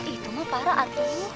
itu mah parah atuh